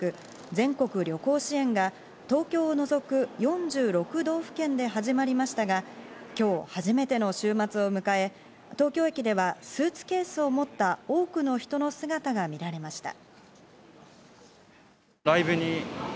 ・全国旅行支援が、東京を除く４６道府県で始まりましたが、今日初めての週末を迎え、東京駅ではスーツケースを持った多くの人の姿が見られました。